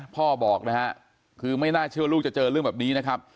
พ่อบอกนะฮะคือไม่น่าเชื่อลูกจะเจอเรื่องแบบนี้นะครับ